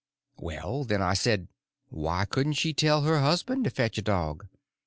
Well, then, I said, why couldn't she tell her husband to fetch a dog?